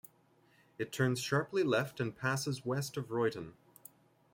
It turns sharply left and passes west of Royton.